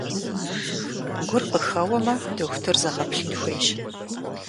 Гур къыхэуэмэ, дохутыр зэгъэплъын хуейщ.